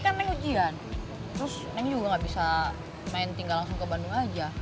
terus neng juga gak bisa main tinggal langsung ke bandung aja